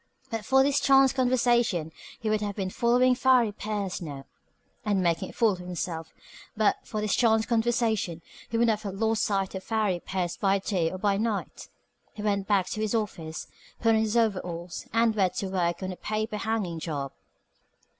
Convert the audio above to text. But for this chance conversation he would have been following Farry Pierce now, and making a fool of himself. But for this chance conversation he would not have lost sight of Farry Pierce by day or by night. He went back to his office, put on his overalls, and went to his work on a paper hanging job.